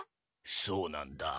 そうなんだ。